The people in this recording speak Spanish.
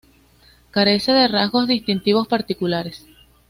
Carece de rasgos distintivos particulares.